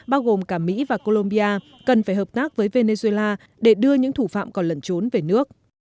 bao gồm cả mỹ và colombia cần phải hợp tác với venezuela để đưa những thủ phạm còn lẩn trốn về nước